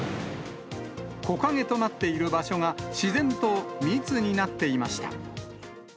木陰となっている場所が自然と密になっていました。